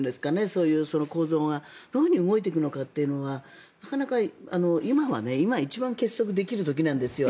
そういう構造がどういうふうに動いていくのかというのがなかなか今は一番結束できる時なんですよ